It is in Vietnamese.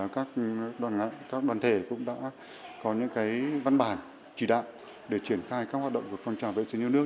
các đoàn thể cũng đã có những văn bản chỉ đạm để triển khai các hoạt động của phòng trả vệ sinh nước nước